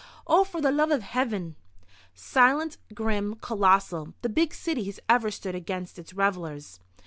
Oh, for the love av Hiven—" Silent, grim, colossal, the big city has ever stood against its revilers.